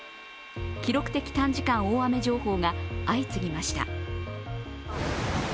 記録的短時間大雨情報が相次ぎました。